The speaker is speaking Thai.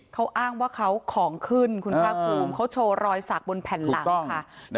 เขาอ้างว่าเขาของขึ้นคุณภาคภูมิเขาโชว์รอยสักบนแผ่นหลังค่ะ